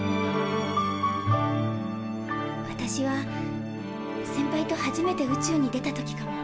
私はセンパイと初めて宇宙に出た時かも。